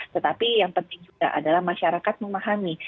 tetapi yang penting juga adalah masyarakat memahami